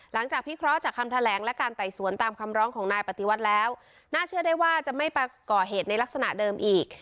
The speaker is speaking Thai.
พิเคราะห์จากคำแถลงและการไต่สวนตามคำร้องของนายปฏิวัติแล้วน่าเชื่อได้ว่าจะไม่ก่อเหตุในลักษณะเดิมอีก